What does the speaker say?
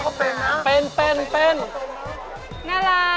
เขาเป็นนะ